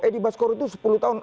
edi baskoro itu sepuluh tahun